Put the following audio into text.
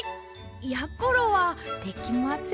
やころはできません。